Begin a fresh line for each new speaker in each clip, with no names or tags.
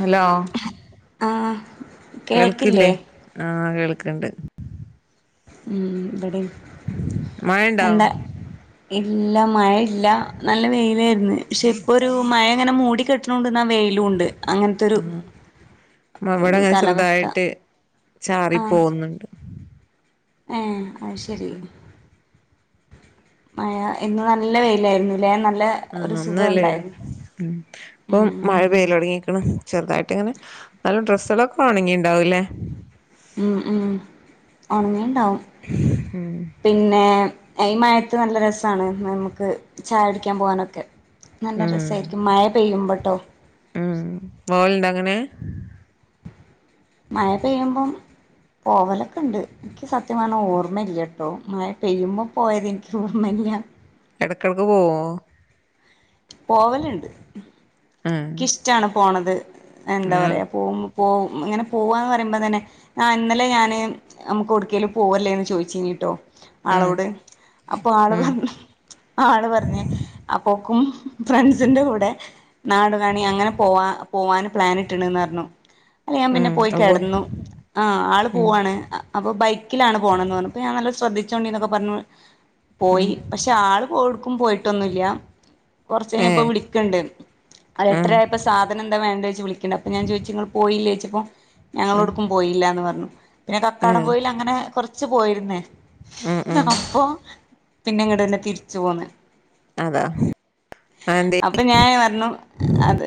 Hello
ആഹ്
കേൾക്കില്ലേ ആഹ് കേൾക്ക്‌ണ്ട്
ഉം ഇബടിം
മഴണ്ടോ
എന്താ ഇല്ല മഴ ഇല്ല നല്ല വെയിലായിരുന്നു പക്ഷെ ഇപ്പോ ഒരു മഴ ഇങ്ങനെ മൂടി കെട്ട്ണോണ്ട്ന്നാ വെയിലുണ്ട് അങ്ങനത്തൊരു
ആഹ്
ഒരു
ഇവിടെങ്ങനെ
കാലാവസ്ഥ
ചെറുതായിട്ട് ചാറി
ആഹ്‌
പോകുന്നുണ്ട്
ഏഹ് അത് ശരി മഴ ഇന്ന് നല്ല വെയിലായിരുന്നുല്ലേ നല്ല ഒരു
ആഹ് ഇന്ന്
സുഖം
നല്ല വെയില്
ഉണ്ടായിരുന്നു
ഇപ്പം
ഉം
മഴ പെയ്ൽ തുടങ്ങിക്ക്‌ണ്. ചെറുതായിട്ട് ഇങ്ങനെ ന്നാലും ഡ്രസ്സേ ളൊക്കെ ഒണങ്ങി ഉണ്ടാവൂലേ
ഉം ഉം ഒണങ്ങിണ്ടാവും
ആം
പിന്നെ ഈ മഴത്ത് നല്ല രസമാണ് നമുക്ക് ചായ കുടിക്കാൻ പോകാനൊക്കെ നല്ല രസമായിരിക്കും മഴ പെയ്യുമ്പോട്ടോ
ഉ വോലുണ്ടൊ അങ്ങനെ
മഴ പെയ്യുമ്പം പോവലൊക്കെ ഉണ്ട് എനിക്ക് സത്യം പറഞ്ഞാ ഓർമ്മയില്ലട്ടോ മായ പെയ്യുമ്പോൾ പോയത് എനിക്ക് ഓർമ്മയില്ല
എടക്കിടക്ക് പോവോ
പോവലുണ്ട്
ആഹ്
ഇഷ്ടമാണ് പോണത് എന്താ പറയുക പോകുമ്പ പോ ഇങ്ങനെ പോവാന്ന് പറയുമ്പോൾ തന്നെ ആഹ് ഇന്നലെ ഞാന് നമുക്കൊടുക്കേലും പോവല്ലേന്ന് ചോയിച്ചീനിട്ടോ.
ഉം
ആളോട് അപ്പൊ ആള്
ഉം
പറഞ്ഞ് ആള് പറഞ്ഞ് അപ്പോക്കും ഫ്രൻസിന്റെ കൂടെ നാടുകാണി അങ്ങനെ പോവാ പോവാന് പ്ലാനിട്ട്ണ്ന്നറഞ്ഞു. അയ്‌ല് ഞാൻ പിന്നെ
ഉം
പോയി
അപ്പൊ
കെടന്നു. ആഹ് ആള്
ഉം
പോവാണ്. അപ്പൊ ബൈക്കിലാണ് പോണന്ന് പറഞ്ഞു അപ്പൊ ഞാ നല്ല ശ്രദ്ധിച്ചോണ്ടിന്നൊക്കെ പറഞ്ഞു പോയി
ഉം
പക്ഷെ ആള് പോ എവ്ട്ക്കും പോയിട്ടൊന്നുല്ല കൊറച്ച് കയ്ഞ്ഞപ്പ
ഏഹ്
വിളിക്ക്ണ്ട്. അ
ആഹ്
എട്ടരയായപ്പ സാധനെന്താ വേണ്ടേച്ച് വിളിക്ക്ണ്ട് അപ്പൊ ഞാൻ ചോയിച്ചു ഇങ്ങൾ പോയില്ലേയ്ച്ചപ്പൊ.
ആഹ്
ഞങ്ങളൊട്ക്കും പോയില്ലാന്ന് പറഞ്ഞു പിന്നെ കക്കാടം
ആഹ്
പോയിൽ അങ്ങനെ കൊറ്ച്ച് പോയിരുന്നേ
ആഹ് ആഹ്
നാപ്പോ പിന്നങ്ങട്ടെന്നെ തിരിച്ചു പോന്ന്.
അതാ അതെന്തേ
അപ്പൊ ഞാന് പറഞ്ഞു. അത്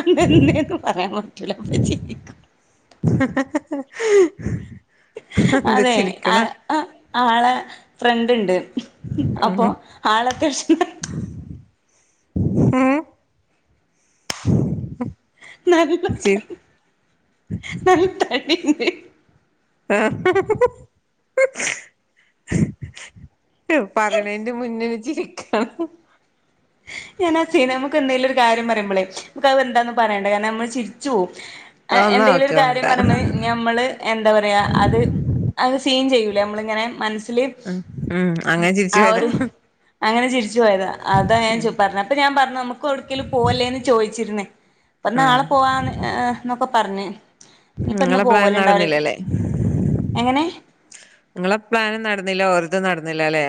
അതന്തേന്ന് പറയാൻ പറ്റൂല്ല അപ്പ ചീരിക്കും.
എന്ത ചിരിക്ക്ണ്.
അ ആളെ ഫ്രണ്ട്ണ്ട് അപ്പോ ആളത്യാവശ്യ
ഏഹ്.
നല്ല ത നല്ല തടിണ്ട്.
ആഹ്. റ്റു പറയ്ണേന്റെ മുന്നെന്നെ ചിരിക്കാണ്.
ഞാനാ സീനാ നമുക്കെന്തേലൊരു കാര്യം പറയുമ്പളേ നമുക്ക് അവ എന്താന്ന് പറയണ്ട കാരണമ്മൾ ചിരിച്ചു പോവും. അ
എന്നാ
എന്തെങ്കിലൊരു
ഓക്കെ വേണ്ട
കാര്യം പറയുമ്പേ ഞം മ്മള് എന്താ പറയാ അത് അത് സീൻ ചെയ്യൂലെ നമ്മളിങ്ങനെ മൻസ്സില്.
ഉം ഉം അങ്ങനെ ചിരിച്ചു
ആ
പോയതാ
ഒരു അങ്ങനെ ചിരിച്ചു പോയതാ ആ ച്ചു പറഞ്ഞ അപ്പ ഞാൻ പറഞ്ഞു നമുക്കൊട്ക്കേലും പോവല്ലേന്ന് ചോയിച്ചിരിന്നേ അപ്പൊ
ഉം
നാളെ പോ വാന്ന് എ എ ന്നൊക്കെ പറഞ്ഞ്. ഇഞ്പ്പന്ന്
നിങ്ങളെ പ്ലാൻ
പോവല്ണ്ടാവുലെ എങ്ങനെ.
ഇങ്ങള പ്ലാനും നടന്നില്ല ഓര്തും നടന്നില്ല ലേ.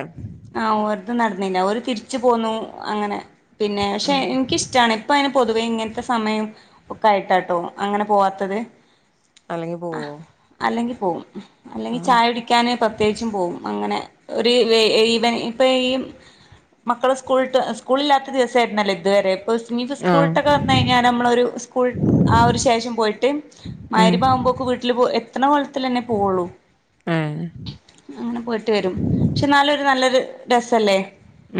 ആഹ് ഓര്തു നട്ന്നില്ല ഓര് തിരിച്ചു പോന്നു അങ്ങനെ പിന്നെ പക്ഷെ ഇൻക്കിഷ് റ്റാണ് ഇപ്പയിന് പൊതുവെ ഇങ്ങൻത്തെ സമയം ഒക്കെ ആയിട്ടാട്ടോ അങ്ങനെ പോവാത്തത്.
അല്ലെങ്കി പോവോ.
അല്ലെങ്കി പോവും അല്ലെങ്കി
ആഹ്
ചായുടിക്കാന് പ്രത്യേച്ചും പോവും അങ്ങനെ ഒരു വെയി ഇപ്പ ഈ മക്കള് സ്കൂൾട്ട് സ്കൂളില്ലാത്ത ദിവസായിരുന്നല്ലോ ഇതുവരെ. പൊസ്മിത്
ആഹ്
സ്കൂൾട്ടൊക്കെ വന്നഴിഞ്ഞാ നമ്മളൊരു സ്കൂൾ ആ ഒരു ശേഷം പോയിട്ട്.
ഉം
മയ്രിബാവുമ്പോക്ക് വീട്ടില് പോ എത്ത്ണ കോലത്തിലെന്നെ പോവൊള്ളൂ.
ഏഹ്
അങ്ങനെ പോയിട്ട് വരും പക്ഷെ ഇന്നാലൊരു നല്ലൊരു രസല്ലേ.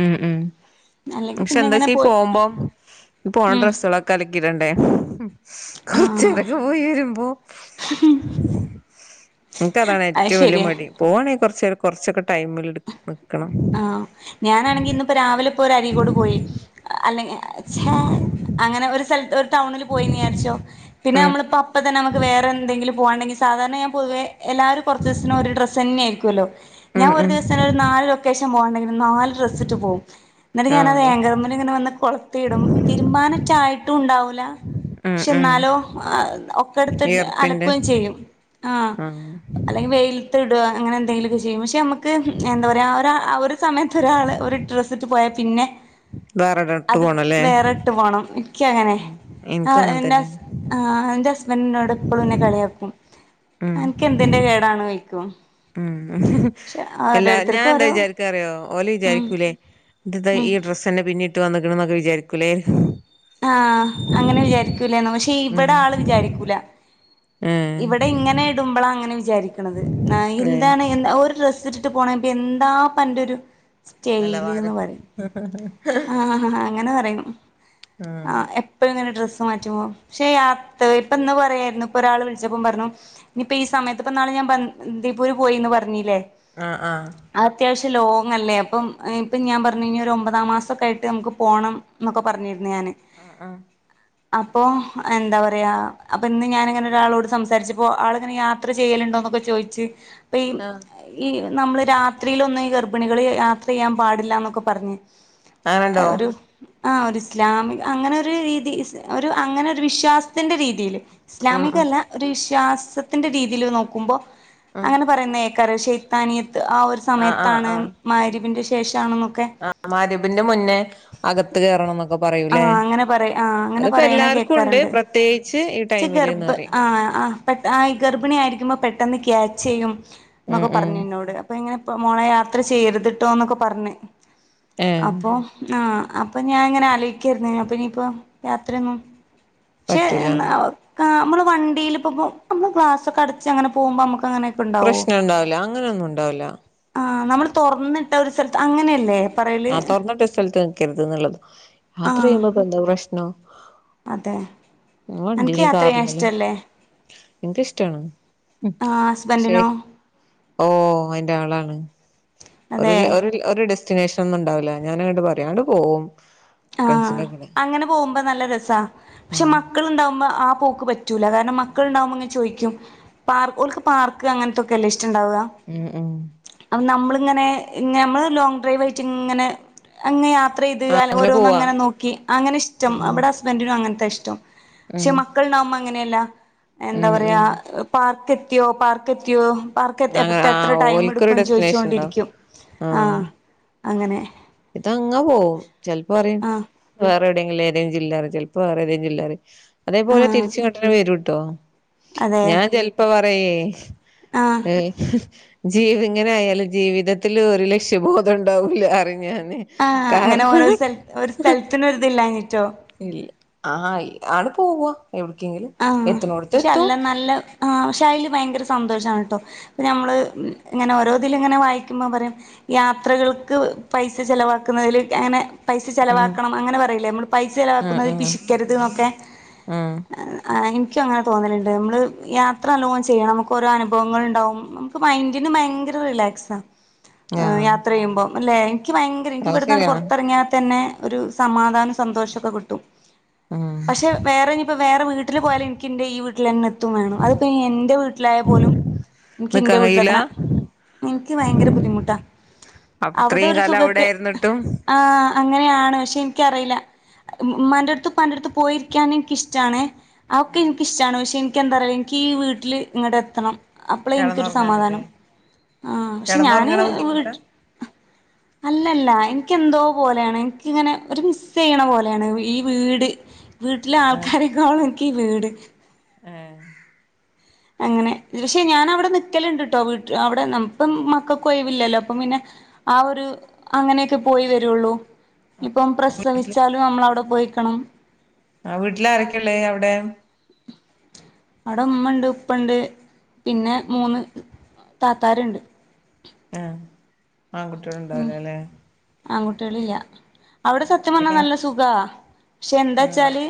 ഉം ഉം
അല്ലെങ്കി
പക്ഷെ
പിന്നെ ഇങ്ങനെ
എന്താച്ചീ
പോയി
പോവുമ്പം ഇ പോവ്ണ
ഉം
ഡ്രസ്സാളൊ ക്കലക്കിടണ്ടേ
ആഹ്
കൊറ്ച്ചേരൊക്കെ പോയി വരുമ്പോ. ഇൻക്കതാണ്
അത്
ഏറ്റും വെല്ല്യ
ശരിയാ
മടി പോവാണെ കൊറ്ച്ചേരം കൊറ്ച്ചൊക്കെ ടൈമിൽ. നിക്കണം
ആഹ് ഞാനാണെങ്കി ഇന്ന്പ്പ രാവിലെപ്പൊരരീകോട് പോയി. അല്ലെങ്കി ചെ അങ്ങന ഒര് സെൽത്തൊ ടൗണില് പോയിന്ന് വിയാര്ച്ചോ പിന്നെ
ഉം
നമ്മള്പ്പോ അപ്പ തന്നെ നമുക്ക് വേറെ എന്തെങ്കിലും പോവാണ്ടെങ്കി സാധാരണ ഞാൻ പൊതുവേ. എല്ലാരും കൊറ്ച്ചീസ്ന് ഒരു ഡ്രസ്സെന്നെയിരിക്കൂലോ ഞാൻ
ഉം
ഒരു
ഉം
ദിവസ് നാല് ലൊക്കേഷൻ പോവാണ്ടെങ്കിലു നാല് ഡ്രസ്സ്ട്ട് പോവും ഇന്നിട്ട് ഞാനത്
ആഹ്
ഏങ്കർമല്ങ്ങനെ വന്ന് കൊള് ത്തിടും തിരുമ്പാനെറ്റെ ആയിട്ടുണ്ടാവൂല
ഉം
പക്ഷെ
ഉം
ഇന്നാലോ അത് ന്ന ഒ ക്കെട്ത്ത്ൺ
ഈർപ്പിന്റെ
അലക്കുയും ചെയ്യും ആഹ് അല്ലെങ്കി വെയ്ൽ ത്ത്ട അങ്ങനെന്തെങ്കിലൊക്ക ചെയ്യും പക്ഷെ നമ്മക്ക്. ത്ത് എന്ത പറയാ ഒര ഒര്. സമയത്തൊരാള് ഒരു ഡ്രസ്സ്ട്ട് പോയാ പിന്നെ
വേറെടോട്ട്
അത്
പോണല്ലേ
വേറെട്ട് പോണം. ക്ക്യങ്ങനെ ആ
എനിക്കും അങ്ങനെ തന്നെ
എൻ്റസ് ആഹ് ഇന്റെസ്ബൻ്റിന്നോട് എപ്പളുന്നെ കളിയാക്കും
ഉം
അനക്കെന്തിന്റെ കേടാണോയ്ക്കും.
ഉം. അല്ല ഞാൻ എന്താ
ഓരോ
വിചാരിക്കാറിയോ ഓല്
ഉം
വിചാരിക്കൂല്ലേ ഇതെന്താ
ഉം
ഈ ഡ്രസ് തന്നെ പിന്നീട്ട് വന്നക്കണന്നൊക്കെ വിചാരിക്കൂലേ
ആഹ അങ്ങനെ വിചാരിക്കൂലോന്നെ പക്ഷെ
ഉം
ഇവടെ ആള് വിചാരിക്കൂല
ഏഹ്
ഇവടെ ഇങ്ങനെ ഇടുമ്പളാ അങ്ങനെ വിചാരിക്കണത്
ഏഹ്
എന്താണ് ഒരു ഡ്രസ്ട്ട് ട്ട് പോണേന്പ്പം എന്താപ്പന്റെരു
നിലവാരം
ആഹ ഹഹ അങ്ങനെ പറയും
ഉം
ആഹ എപ്പ പ്പഴും ഇങ്ങനെ ഡ്രസ്സ് മാറ്റുമ്പം പക്ഷെ യാത്ര ഇപ്പന്ന് പറായിരുന്നു ഇപ്പം ഒരാൾ വിളിച്ചപ്പം പറഞ്ഞു ഇനിയിപ്പ ഈ സമയത്ത്പ്പന്നാള് ഞാൻ പറഞ്ഞിലെ ബേപൂര് പോയിന്ന് പറഞ്ഞില്ലേ
അഹ അഹ
അത് അത്യാവശ്യം ലോങ്ങല്ലേ അപ്പം ഞാൻ പറഞ്ഞ് ഇഞ്ഞ് ഒരു ഒമ്പതാം മാസം ഒക്കെ ആയിട്ട് നമുക്ക് പോണം ന്നൊക്കെ പറഞ്ഞിരുന്നു ഞാന്
അഹ
അപ്പൊ എന്താ പറയാ അപ്പം ഇന്ന് ഞാനിങ്ങനെ ഒരാളോട് സംസാരിച്ചപ്പോ ആളിങ്ങനെ യാ ത്ര ചെയ്യുണ്ടോന്നൊക്കെ ചോയ്ച്ച് ഇപ്പ ഈ
ഉണ്ട്
ഈ നമ്മള് രാത്രിയിലൊന്നും ഈ ഗർഭിണികള് യാത്ര ചെയ്യാൻ പാടില്ലന്നൊക്കെ പറഞ്ഞ്
അങ്ങനെണ്ടോ
ഒരു ആഹ ഒരു ഇസ്ലാമിക് അങ്ങനെ ഒരു രീതി ഒരു അങ്ങനെ ഒരു വിശ്വാസത്തിന്റെ രീതി
ഉം ഉം
ഇസ്ലാമികല്ല ഒരു വിശ്വാസത്തിന്റെ രീതീല് അത് നോക്കുമ്പം
ഉം
അങ്ങനെ പറയുന്നേ ക്കാരം ശൈത്താനിയത്ത് ആഹ ഒരു
ആഹ് ആഹ്
സമയത്താണ് മഗ്‌രിബിൻ്റെ ശേഷാണ്ന്നൊക്കെ
ആഹ മഗ്‌രിബിന്റെ മുന്നേ അകത്ത് കേറണംന്നൊക്കെ പറയും
ആ
അല്ലെ
അങ്ങനെ പറയ ആ അങ്ങനെ
അതിപ്പം
പറയണ
എല്ലാർക്കും ഉണ്ട്
കേക്കാറുണ്ട്
പ്രത്യേ ച്ച് ഈ
ഗർഭ
ടൈമില്ന്നറിം
ആ ആ പെട്ട ആഹ ഗർഭിണി ആയിരിക്കുമ്പം പെട്ടെന്ന് ക്യാച്ച് ചെയ്യും
ഉം
എന്നൊക്കെ
ഉം
പറഞ്ഞു എന്നോട് അപ്പം ഇങ്ങനെ ഇപ്പം മോളേ യാത്ര ചെയ്യരുതിട്ടോന്നൊക്കെ പറഞ്ഞ്
ഏഹ്
അപ്പം ആഹ അപ്പം ഞാൻങ്ങനെ ആലോയ്ക്കായിരുന്ന അപ്പം ഇഞ്ഞ്പ്പം യാത്രയൊന്നും പക്ഷെ
പറ്റൂലാന്ന്
നമ്മള് വണ്ടലെപ്പ പോ നമ്മള് ഗ്ലാസൊക്കെ അടച്ച് അങ്ങനെ പോകുമ്പോ നമ്മക്കങ്ങനെ
പ്രശ്നണ്ടാവുല അങ്ങനൊന്നും ഉണ്ടാവൂല
ആഹ നമ്മള് തുറന്നിട്ട ഒരു സ്ഥലത്ത് അങ്ങനെയല്ലേ പറയല്
ആഹ തൊറന്നിട്ട സ്ഥലത്ത് നിക്കരുത് എന്നുള്ളത്
ആ
യാത്ര ചെയ്യുമ്പപ്പ എന്താ പ്രശ്നം
അതെ
അത്
അനക്ക്
വണ്ടീല്
യാത്ര ചെയ്യാൻ
കാറിലല്ലേ
ഇഷ്ടല്ലേ
ഇൻക്ക് ഇഷ്ടാണ്
ആ
പക്ഷെ
ഹസ്ബൻഡിനോ
ഓഹ അയ്ന്റെ ആളാണ് ഒരു
അതെ
ഒരു ഡെസ്റ്റിനേഷൻ ഒന്നും ഉണ്ടാവുല ഞാനങ്ങട്ട് പറയും ആണ്ട് പോവും
ആഹ
ഫ്രണ്ട്സിന്റെ കൂടെ
അങ്ങനെ പോകുമ്പം നല്ല രസ പക്ഷെ
ആഹ്
മക്കളുണ്ടാവുമ്പം ആഹ പോക്ക് പറ്റു പറ്റൂല കാരണം മക്കളുണ്ടാവുമ്പങ്ങനെ ചോയ്ക്കും പാർക്ക് ഓർക്ക് പാർക്ക് അങ്ങൻത്തൊക്കല്ലെ ഇഷ്ടണ്ടാവ
ഉം ഉം
അപ്പം നമ്മളിങ്ങനെ നമ്മള് ലോങ് ഡ്രൈവ് ആയിട്ട് ഇങ്ങനെ അങ്ങനെ യാത്ര ചെയ്ത്
ആഹ്
അല്ല ഓഹ
അങ്ങനെ പോവാ
രോന്നങ്ങനെ നോക്കി അങ്ങനെഷ്ടം
ഉം
ഇവടെ ഹസ്ബൻഡിനും അങ്ങനത്ത ഇഷ്ടം
ഉം
പക്ഷെ മക്കള്ണ്ടാവുമ്പം അങ്ങനെയല്ല എന്താ
ഉം
പറയാ
ഉം
പാർക്ക് എത്തിയോ പാർക്ക് എത്തിയോ പാർക്ക്
അങ്ങ
എത്താൻ എത്ര
ആഹ്
ടൈം
ഓൽക്കൊരു
എടുക്കുംന്ന്
ഡെസ്റ്റിനേഷൻ ഉണ്ടാവും
ചോയ്ച്ചോണ്ടിരിക്കും ആഹ അങ്ങനെ
ഇതങ്ങനെ പോവും ചെൽപ്പറിം
ആഹ്
വേറെ വേറെ എവിടെങ്കിലും ഏതെങ്കിലും ജില്ലാറിം ചെലപ്പം വേറെ ഏതേം ജില്ലാറിം അതേ പോലെ
ആഹ്
തിരിച്ച്ങ്ങട്ടെനെ വരൂട്ടോ
അതെ
ഞാൻ ചെൽപ്പം പറയേ
ആഹ്
അതെ ജീവി ഇങ്ങനെ ആയാല് ജീവിതത്തില് ഒരു ലക്ഷ്യബോധം ഉണ്ടാവൂല പറിം ഞാന്
ആഹ് അങ്ങനെ ഓരോ
കാരണം
സ്ഥൽ ഒര് സ്ഥലത്തിന് ഒരു ഇതില്ലാഞ്ഞിട്ടോ
ഇല്ല ആഹ് ആണ്ട് പോവ എവുട്ക്കെങ്കിലും
ആഹ്
എത്ത്ണോടത്ത്
പക്ഷെ
എത്തും
അല്ല നല്ല ആഹ് പക്ഷെയില് ഭയങ്കര സന്തോഷോണ്ട്ട്ടോ ഇപ്പം നമ്മള് ഇങ്ങനെ ഓരോതിലും ഇങ്ങനെ വായിക്കുമ്പോ പറയും യാത്രകൾക്ക് പൈസ ചെലവാക്കുന്നതില് അങ്ങനെ പൈസ
ഉം
ചിലവാക്കണം അങ്ങനെ പറയില്ലേ നമ്മള് പൈസ
ഉം
ചിലവാക്കുന്നതിൽ
ഉം
പിശിക്കരുത് എന്നൊക്കെ
ഉം
ആഹ് ആഹ് എനിക്ക് അങ്ങനെ തോന്നലുണ്ട് നമ്മള് യാത്ര നല്ലോ ചെയ്യണം നമുക്കൊരോ അനുഭവങ്ങൾ ഇണ്ടാവും നമുക്ക് മൈൻഡിന് ഭയങ്കര റിലാക്സാ ആഹ് യാത്ര ചെയ്യുമ്പോം അല്ലെ എനിക്ക് ഭയങ്കര എനിക്ക്
അത്
ഇവിടുന്നാട്
ശരിയാണ്
പുറത്തിറങ്ങിയാ തന്നെ ഒരു സമാധാനം സന്തോഷമൊക്കെ കിട്ടും
ആഹ്
ഇപ്പോ വേറെ വീട്ടില് പോയല് എനിക്ക് എന്റെ ഈഹ് വീട്ടിൽ തന്നെ എത്തും വേണം അതിപ്പെന്റെ എന്റെവീട്ടിലായാലും പോലും ഇനിക്ക് ഇന്റെ
നിക്കാൻ കഴിയൂല
വീട്ടിലെത്തണം എനിക്ക് ഭയങ്കര ബുദ്ധിമുട്ടാ
അഹ്
അവിടെ
അത്രയും
ഒരു
കാലം
സുഖക്ക്
അവിടൊയായിരുന്നിട്ടും
ആഹ് അങ്ങനെയാണ് പക്ഷെ എനിക്കറിയില്ല ഉമ്മാന്റെടുത്തും ഉപ്പാന്റെടുത്തും പോയിരിക്കാൻ എനിക്ക് ഇഷ് ഇഷ്ടണേ അയൊക്കെ എനിക്കിഷ്ടാണ് പക്ഷെ എനിക്ക് എന്താറയുക എനിക്ക് ഈഹ് വീട്ടില് ഇങ്ങടെ എത്തണം അപ്പളെ എനിക്കൊരു
കിടന്നുറങ്ങാനല്ലേ
സമാധാനം ആഹ് പക്ഷെ ഞാന്
കിടന്നുറങ്ങണ
വീ
ബുദ്ധിമുട്ടാ [inaudible]
അല്ലല്ല എനിക്ക് എന്തോ പോലെയാണ് എനിക്കിങ്ങനെ ഒരു മിസ് ചെയ്യണ പോലെയാണ് ഈഹ് വീട് വീട്ടിലെ
ആഹ്
ആൾക്കാരൊക്കാളും എനിക്ക് ഈഹ് വീട്
ആഹ്
അങ്ങനെ പക്ഷേ ഞാൻ അവിടെ നിക്കലുണ്ടുട്ടോ വീട്ട് അവിടെ നമ്മപ്പം മക്കള്ക്ക് ഒയവില്ലല്ലോ അപ്പം പിന്നെ ആഹ് ഒരു അങ്ങനെയൊക്കെ പോയി വരുള്ളൂ ഇപ്പം
വീട്ടില്
പ്രസവിച്ചാലും നമ്മളെവിടെ പോയി നിക്കണം
ആഹ് വീട്ടില് ആരൊക്കെയുള്ളേ അവിടെ
അവിടെ ഉമ്മ ഇണ്ട് ഉപ്പ ഇണ്ട് പിന്നെ മൂന്ന് താത്താരുണ്ട്
ആഹ് ആൺകുട്ടികള്
ഉം
ഉണ്ടാവിലല്ലേ
ആൺകുട്ടികളില്ല അവിടെ സത്യം പറഞ്ഞാ
ഏട്ടാ
നല്ല സുഖാ പശെ എന്താ
ആഹ്
വച്ചാല്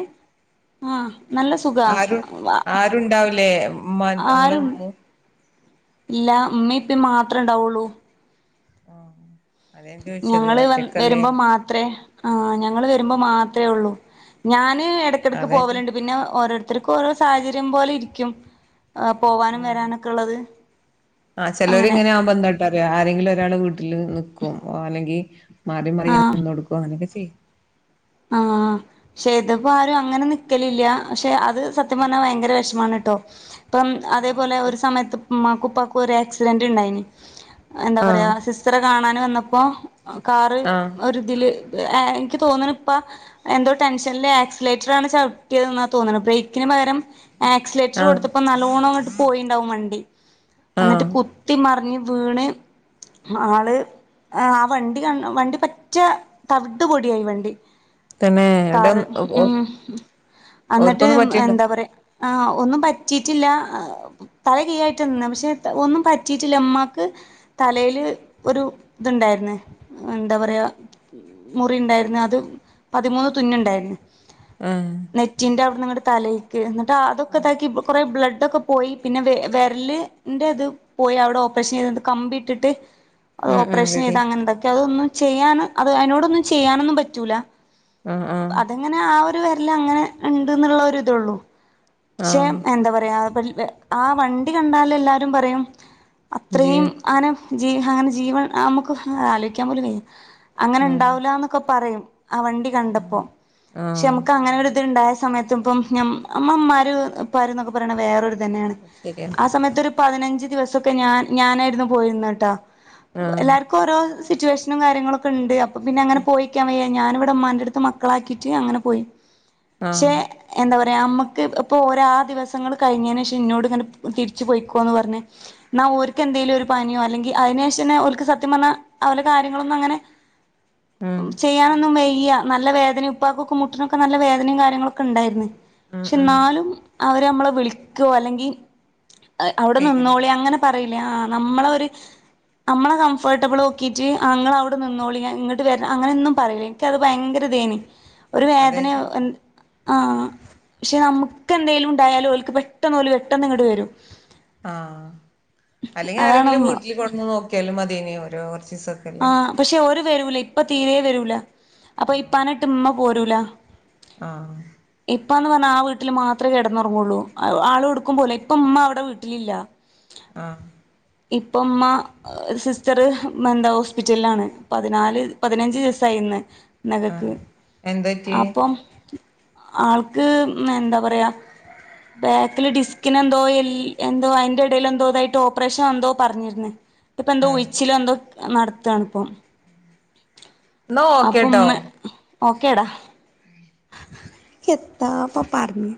ഉം നല്ല
ആരും ആരുണ്ടാവില്ലേ ഇമ്മാന്റെ നിങ്ങളും
ആരും
പോവും
ഇല്ല ഉമ്മയും ഇപ്പേ മാത്രം ഇണ്ടാവുള്ളൂ
ആഹ് അതാ ഞാൻ ചോയിച്ചത് ഒറ്റക്കല്ലേ
ത്രേ ആഹ് ഞങ്ങള് വരുമ്പോ മാത്രേള്ളൂ ഞാന് ഇടക്കിടക്ക്
അതായിരിക്കും
പോവലുണ്ട് പിന്നെ ഓരോരുത്തർക്കും ഓരോ സാഹചര്യം പോലെയിരിക്കും ആഹ് പോവാനും വരാനൊക്കെള്ളത്
ആഹ് ചിലോരെ ഇങ്ങനെ ആവുമ്പോ എന്തകാട്ടാറിയോ ആരെങ്കിലും ഒരാൾ വീട്ടില് നിക്കും അല്ലെങ്കിൽ മാറി മറിയ
ആഹ്
നിന്നടുക്കും അങ്ങനൊക്കെ ചെയ്യും
ആഹ് പശെ ഇതിപ്പോ ആരും അങ്ങനെ നിക്കലില്ല പശെ അത് സത്യം പറഞ്ഞാൽ ഭയങ്കര വിഷ വിഷമാണുട്ടോ ഇപ്പം അതേപോലെ ഒരു സമയത്ത് ഇമ്മക്കും ഇപ്പാക്കും ഒരോ ആക്സിഡന്റ് ഇണ്ടായിന് എന്താ
ആഹ് ആഹ്
പറയാ സിസ്റ്ററെ കാണന് വന്നപ്പോ കാറ്
ആഹ്
ഒരു ഇതില് ആ ഹ് എനിക്ക് തോന്നണ് ഇപ്പ എന്തോ ടെൻഷനിൽ ആക്സിലേറ്ററാണ് ചവിട്ടിയത് എന്ന തോന്നണത് ബ്രേക്കിന് പകരം ആക്സലേറ്റർ
ആഹ്
കൊടുത്തപ്പോ നാലോണങ്ങട്ട് പോയിണ്ടാവും വണ്ടി അന്നിട്ട്
ആഹ്
കു ത്തി മറിഞ്ഞ് വീണ് ആള് ആ വണ്ടി ക വണ്ടി പറ്റേ തവിട്ട് പൊടിയായി വണ്ടി
തന്നെ ഇവിടെ
കാറ് ഉം അന്ന്ട്ട്
ഓർക്കൊന്നും പറ്റിണ്ടോ
എന്താ പറയാ ആഹ് ഒന്നും പറ്റിട്ടില്ലാ തല കീയായിട്ട് നിന്ന് പക്ഷേ ഒന്നും പറ്റിയിട്ടില്ല ഇമ്മാക്ക് തലയില് ഒരു ഇത്ണ്ടായിര്ന്ന് എന്താ പറയാ മുറി ഇണ്ടായിര്ന്ന് അത് പതിമൂന്ന് തുന്ന്ണ്ടായിര്ന്ന്
ഉം
നെറ്റിൻ്റെ അവ്ട്ന്ന് ഇങ്ങട്ട് തലേക്ക് എന്ന്ട്ട് അതൊക്ക ഇതാക്കി കോറെ ബ്ലഡൊക്ക പോയി പിന്നെ വെ വെര്ല് ന്റത് പോയി അവ്ട ഓപ്പറേഷൻ ചെയ്ത്ട്ട് കമ്പി ഇട്ട്ട്ട് അത്
ഉം ഉം
ഓപ്പറേഷൻ
റെഡി
ചെയ്താ അങ്ങൻന്തേക്കെ അതൊന്നും ചെയ്യാന് അത് അയിനോടൊന്നും ചെയ്യാനൊന്നും പറ്റൂല.
ഉം ഉം
അത് ഇങ്ങനെ ആ ഒരു വെര്ല് അങ്ങനെ ഇണ്ട് ന്ന്ള്ള ഒര്തൊള്ളു. പക്ഷേ
ആഹ്
എന്താ പറയാ ആ വണ്ടി കണ്ടാല് എല്ലാരും പറയും അത്രേം
ജിയോ
അങ്ങനെ ജീ അങ്ങനെ ജീവൻ നമുക്ക് ആലോയിക്ക്യാൻ പോലും വയ്യ. അങ്ങനെ
ഉം
ഇണ്ടാവൂലന്നൊക്ക പറയും. ആ വണ്ടി കണ്ടപ്പോ
ആഹ്
പക്ഷേ നമുക്ക്
ആഹ്
അങ്ങനെ ഒരുത്ണ്ടായ സമയത്ത് ഇപ്പം ഞ്ഞം അമ്മമ്മാര് ഒരു ഇപ്പാര്ന്നൊക്ക പറിണ വേറെ ഒര് ഇതന്നെണ്
ശരിയാണ്
ആ സമയത്തൊരു പതിനഞ്ച് ദിവസൊക്ക ഞാൻ ഞാനായിരുന്നു പോയിരുന്നട്ട
ആഹ്
എല്ലാര് ഓരോ സിറ്റുവേഷനും കാര്യങ്ങളൊക്ക ഇണ്ട് അപ്പോ പിന്നെ അങ്ങനെ പോയിക്ക്യാൻ വയ്യ. ഞാന് ഇവടെ ഇമ്മാന്റെ അട്ത്ത് മക്കളാക്കിട്ട് അങ്ങനെ പോയി പക്ഷേ
ആഹ്
എന്താ പറയാ അമ്മക്ക് ഇപ്പോരാ ആ ദിവസങ്ങള് കഴിഞ്ഞെന് ശേഷം ഇന്നോട് ഇങ്ങനെ തിരിച്ചു പോയിക്കോന്ന് പർഞ്ഞ് ന്നാ ഓര്ക്ക് എന്തെലും ഒരു പനിയോ അല്ലെങ്കി അയിന് ശേഷന്നെ ഓൽക്ക് സത്യം പർഞ്ഞാ ഓലെ കാര്യങ്ങളൊന്നും അങ്ങനെ
ഉം
ചെയ്യാനൊന്നും വയ്യ. നല്ല വേദനയും ഉപ്പാക്കൊക്കെ മുട്ടിനൊക്കെ നല്ല വേദനയും കാര്യങ്ങളൊക്ക ഇണ്ടായിര്ന്ന്
ഉം
പക്ഷെ
ഉം
ന്നാലും അവരെ നമ്മള് വിളിക്കോ അല്ലെങ്കി അവ്ടെ നിന്നോളി
ചെയ്യൂലല്ലേ
അങ്ങനെ പറയില്ലേ ആ നമ്മളൊര് അമ്മളെ കംഫർട്ടബിളോക്കീട്ട് ആ ഇങ്ങള് അവ്ടെ നിന്നോളി ഞാൻ ഇങ്ങട്ട് വരാ അങ്ങനെന്നും പറയുലേനി. ഇൻക്ക് അത് ഭയങ്കര ഇതേനി ഒരു
അതാ ഞാൻ
വേദനയോ എ
ചോദിച്ചേ
ആ പക്ഷെ നമു ക്ക് എന്തെലും ഇണ്ടായാലോ ഓൽക്ക് പെട്ടെന്ന് ഓല് പെട്ടെന്ന് ഇങ്ങട്ട് വരും.
ആഹ് അല്ലെങ്കി
അതാണ്
ആരെങ്കിലും വീട്ടില് കൊട്ന്ന് നോക്കിയാലും മതിയേനി ഓരു കൊർച്ചിസം.
ആഹ് പക്ഷെ ഓര് വെരൂല ഇപ്പ തീരെ വെരൂല അപ്പോ ഇപ്പാനെ ഇട്ട് ഇമ്മ പോരൂല.
ആഹ്
ഇപ്പാന്ന് പർഞ്ഞാ ആ വീട്ടില് മാത്രേ കെട്ന്നൊർങ്ങോള്ളൂ, ആള് ഒട്ക്കും പോവൂല ഇപ്പ ഇമ്മ അവ്ടെ വീട്ടിലില്ല.
ആഹ്.
ഇപ്പ ഇമ്മ സിസ്റ്റർ മന്താ ഹോസ്പിറ്റൽലാണ്. പതിനാല് പതിനഞ്ച് ദിവസായി ഇന്ന് ഇന്നകക്ക്
ആഹ് എന്താ പറ്റിയേ
അപ്പം ആൾക്ക് എന്താ പറയാ ബെക്കില് ഡിസ്കിന് എന്തോ എൽ എന്തോ അയിന്റെ എടേല് എന്തോ ഇതായിട്ട് ഓപ്പറേഷൻ എന്തോ പർഞ്ഞിര്ന്ന് ഇപ്പ എന്തോ
ആഹ്
ഉഴിച്ചിലോ എന്തോ നട്ത്താണ്പ്പോ.
ന്നാ
അപ്പൊ
ഓക്കേട്ടോ
ഇമ്മ് ഓക്കെടാ എത്താപ്പ പർഞ്